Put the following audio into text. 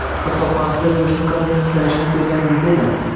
Qassobxonasida go`shtni qanday nimtalashini ko`rganingizda edi